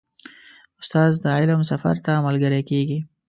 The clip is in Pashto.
استاد د علم سفر ته ملګری کېږي.